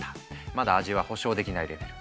まだ味は保証できないレベル。